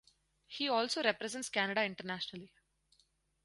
He also represents Canada internationally.